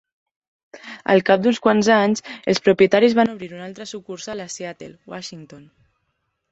Al cap d'uns quants anys, els propietaris van obrir una altra sucursal a Seattle, Washington.